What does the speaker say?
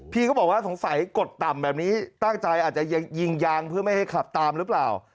เขาบอกว่าสงสัยกดต่ำแบบนี้ตั้งใจอาจจะยิงยางเพื่อไม่ให้ขับตามหรือเปล่า